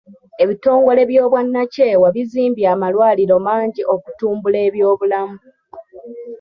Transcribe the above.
Ebitongole by'obwannakyewa bizimbye amalwaliro mangi okutumbula ebyobulamu.